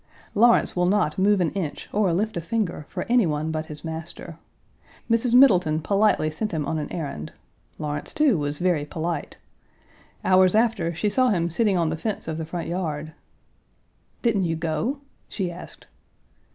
Lawrence will not move an inch or lift a finger for any one but his master. Mrs. Middleton politely sent him on an errand; Lawrence too, was very polite; hours after, she saw him sitting on the fence of the front yard. "Didn't you go?" she asked.